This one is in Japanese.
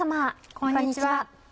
こんにちは。